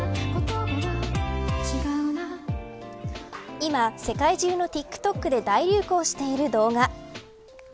今、世界中のＴｉｋＴｏｋで大流行している動画。